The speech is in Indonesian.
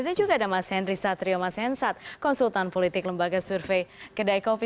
dan juga ada mas henry satrio mas hensat konsultan politik lembaga survei kedai kopi